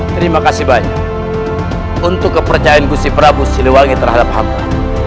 terima kasih banyak untuk kepercayaan gusi prabu siliwangi terhadap hatta